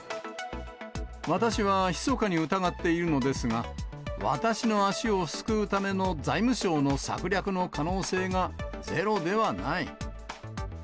私はひそかに疑っているのですが、私の足をすくうための財務省の策略の可能性がゼロではない。